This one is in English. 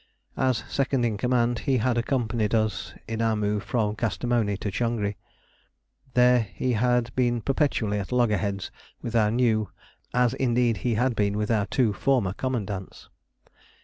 As second in command he had accompanied us in our move from Kastamoni to Changri. There he had been perpetually at loggerheads with our new, as indeed he had been with our two former, commandants.